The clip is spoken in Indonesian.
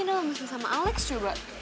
aku sendiri dia